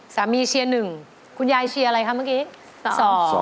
เชียร์๑คุณยายเชียร์อะไรคะเมื่อกี้